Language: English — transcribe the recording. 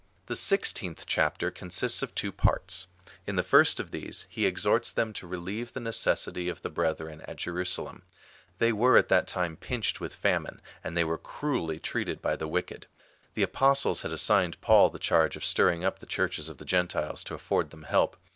The sixteenth chapter consists of two parts. In the first of these he exhorts them to relieve the necessity of the brethren at Jerusalem. They were at that time pinched with famine, and they were cruelly treated by the wicked. The apostles had assigned to Paul the charge of stirring up the Churches of the Grentiles to afibrd them help.